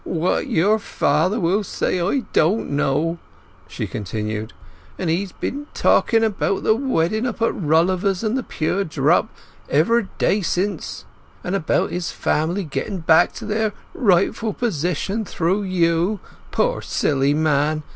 "What your father will say I don't know," she continued; "for he's been talking about the wedding up at Rolliver's and The Pure Drop every day since, and about his family getting back to their rightful position through you—poor silly man!